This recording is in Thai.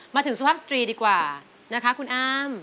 สุภาพสตรีดีกว่านะคะคุณอ้าม